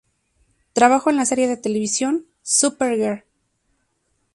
Trabajo en la serie de televisión Super Girl.